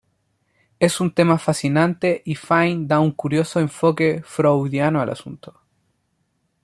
Es un tema fascinante y Fine da un curioso enfoque freudiano al asunto.